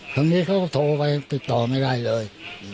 คนนี้เขาก็โทรไปติดต่อไม่ได้เลย